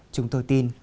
chúng tôi tin